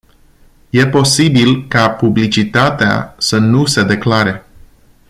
E posibil ca publicitatea să nu se declare.